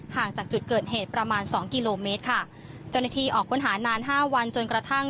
ห่างจากจุดเกิดเหตุประมาณสองกิโลเมตรค่ะเจ้าหน้าที่ออกค้นหานานห้าวันจนกระทั่ง